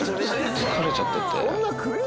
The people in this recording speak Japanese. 疲れちゃってて。